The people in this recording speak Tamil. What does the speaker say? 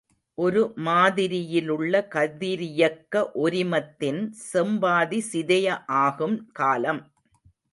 ஒரு மாதிரியிலுள்ள கதிரியக்க ஒரிமத்தின் செம்பாதி சிதைய ஆகும் காலம்.